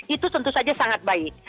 itu tentu saja sangat baik